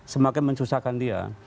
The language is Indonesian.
semakin mensusahkan dia